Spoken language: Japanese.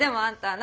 何？